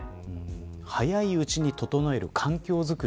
早いうちに整える環境づくり。